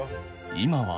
今は？